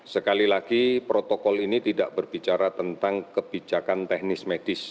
sekali lagi protokol ini tidak berbicara tentang kebijakan teknis medis